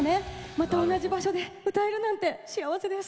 また同じ場所で歌えるなんて幸せです。